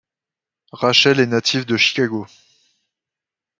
Rachel est native de Chicago.